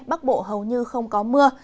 bắc bộ hầu như không có mưa